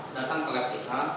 datang ke lab kita